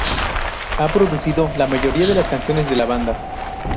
Ha producido la mayoría de las canciones de la banda.